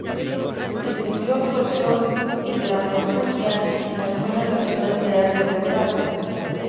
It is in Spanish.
Estudió actuación y dramaturgia en la Escuela Nacional de Arte Teatral.